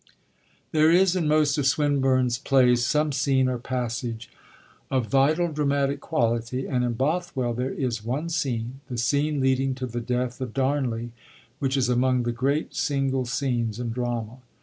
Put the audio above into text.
There is, in most of Swinburne's plays, some scene or passage of vital dramatic quality, and in Bothwell there is one scene, the scene leading to the death of Darnley, which is among the great single scenes in drama.